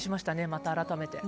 また、改めて。